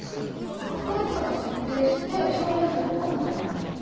係長が出廷して証言するかもしれないんですか？